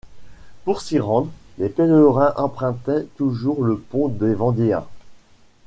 Pour s'y rendre, les pèlerins empruntaient toujours le Pont des Vendéens.